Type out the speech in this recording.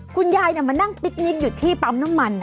คุณยายมานั่งปิ๊กนิกอยู่ที่ปั๊มน้ำมัน